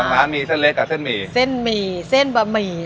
น้ำมีเส้นเล็กกับเส้นหมี่เส้นหมี่เส้นบะหมี่